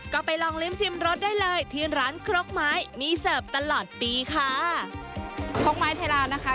ก็ไปลองลิ้มชิมรสได้เลยที่ร้านครกไม้มีเสิร์ฟตลอดปีค่ะครกไม้ไทยลาวนะคะ